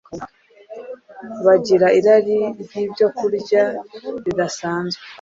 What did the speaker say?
bagira irari ryibyokurya ridasanzwe